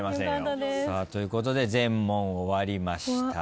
ということで全問終わりました。